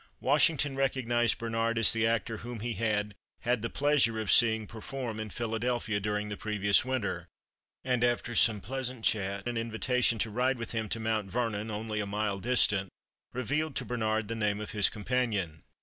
Washington recognized Bernard as the actor whom he had "had the pleasure of seeing perform" in Philadelphia during the previous winter, and after some pleasant chat an invitation to ride with him to Mount Vernon, only a mile distant, revealed to Bernard the name of his companion.